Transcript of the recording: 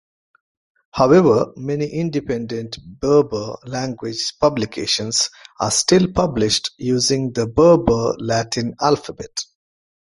However, many independent Berber-language publications are still published using the Berber Latin alphabet.